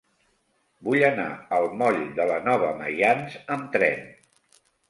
Vull anar al moll de la Nova Maians amb tren.